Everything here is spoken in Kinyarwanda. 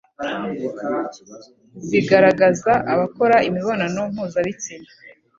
zigaragaza abakora imibonano mpuzabitsina,